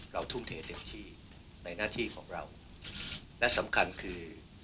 ทุ่มเทเต็มที่ในหน้าที่ของเราและสำคัญคือ